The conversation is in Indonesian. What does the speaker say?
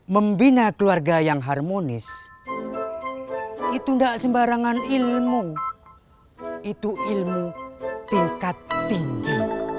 membina keluarga yang harmonis itu enggak sembarangan ilmu itu ilmu tingkat tinggi